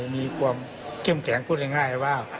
มีความเข้มแข็งพูดง่ายว่า